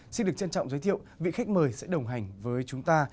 xin được trân trọng giới thiệu vị khách mời sẽ đồng hành với chúng ta